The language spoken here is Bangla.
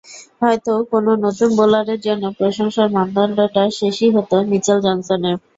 হয়তো কোনো নতুন বোলারের জন্য প্রশংসার মানদণ্ডটা শেষই হতো মিচেল জনসনে।